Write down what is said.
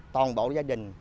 toàn bộ gia đình